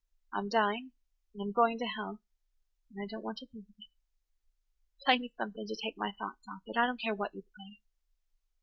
"I'm dying–and I'm going to hell–and I don't want to think of it. Play me something to take my thoughts off it–I don't care what you play.